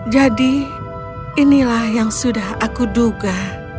jadi inilah yang sudah aku duga